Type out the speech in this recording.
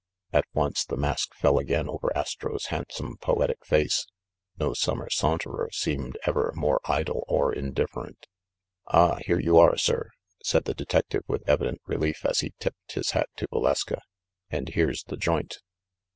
At once the mask fell again over Astro's handsome poetic face ; no summer saunterer seemed ever more idle or indifferent. I "Ah, here you are, sir," said the detective with evi dent relief as he tipped his hat to Valeska. "And here's the joint."